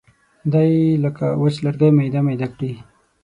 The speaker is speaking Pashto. یا یې لکه وچ لرګی میده میده کړي.